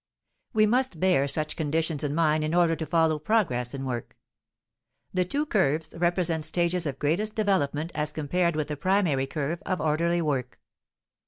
We must bear such conditions in mind in order to follow "progress" in work. [Illustration: Course of Progress] The two curves represent stages of greatest development as compared with the primary curve of orderly work.